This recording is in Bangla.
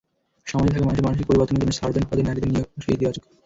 সমাজে থাকা মানুষদের মানসিক পরিবর্তনের জন্য সার্জেন্ট পদে নারীদের নিয়োগ অবশ্যই ইতিবাচক।